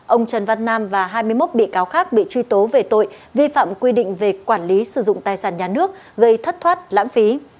ông trần văn nam và hai mươi một bị cáo khác bị truy tố về tội vi phạm quy định về quản lý sử dụng tài sản nhà nước gây thất thoát lãng phí